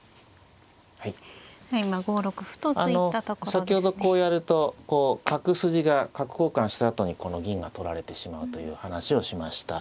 先ほどこうやるとこう角筋が角交換したあとにこの銀が取られてしまうという話をしました。